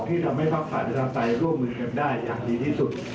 ที่ทำให้ภาคฝาจุดท้ายร่วมรึงแก่บได้อย่างดีที่สุด